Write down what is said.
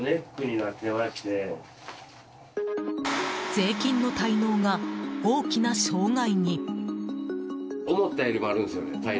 税金の滞納が大きな障害に。